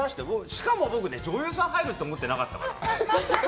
しかも僕、女優さんが入ると思ってなかったから。